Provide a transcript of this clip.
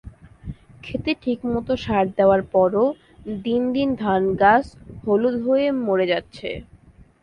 খেতে ঠিকমতো সার দেওয়ার পরও দিন দিন ধানগাছ হলুদ হয়ে মরে যাচ্ছে।